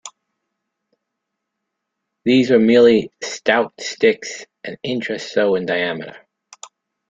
These were merely stout sticks an inch or so in diameter.